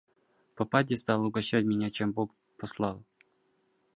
Попадья стала угощать меня чем бог послал.